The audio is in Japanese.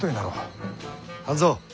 半蔵。